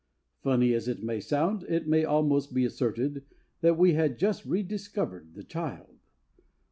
Funny as it may sound, it may almost be asserted that we had just rediscovered the child.